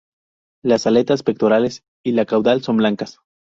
Las aletas pectorales y la caudal son blancas.